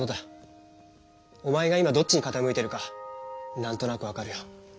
おまえが今どっちにかたむいてるかなんとなくわかるよ。